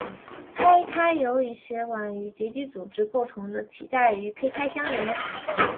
胎盘由以血管与结缔组织构成的脐带与胚胎相连。